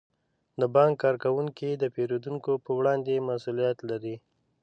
د بانک کارکوونکي د پیرودونکو په وړاندې مسئولیت لري.